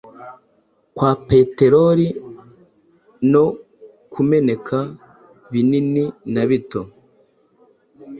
kwa peteroli no kumeneka - binini na bito –